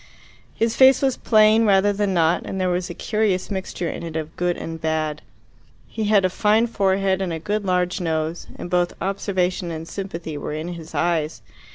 His face was plain rather than not, and there was a curious mixture in it of good and bad. He had a fine forehead and a good large nose, and both observation and sympathy were in his eyes.